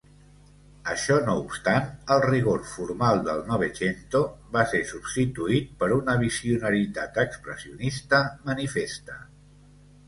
Això no obstant, el rigor formal del Novecento vas ser substituït per una visionaritat expressionista manifesta.